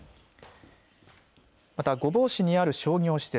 また御坊市にある商業施設